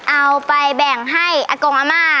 เอาไปแบ่งให้อากงอาม่า